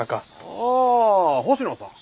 ああ星野さん。